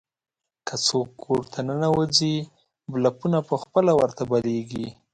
که څوک کور ته ننوځي، بلپونه په خپله ورته بلېږي.